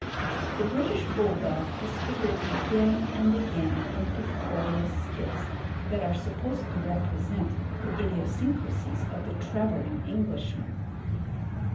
The British bull dog has figured again and again in pictorial skits that are supposed to represent the idiosyncrasies of the travelling Englishman.